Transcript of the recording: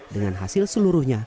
dengan hasil seluruhnya